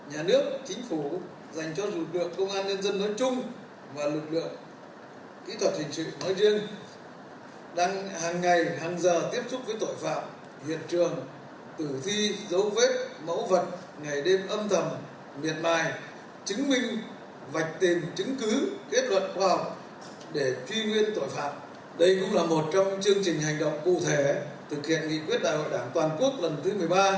hành động cụ thể thực hiện nghị quyết đại hội đảng toàn quốc lần thứ một mươi ba